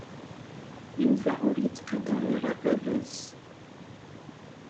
Yuba ur yettqadar ara baba-s.